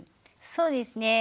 そうですね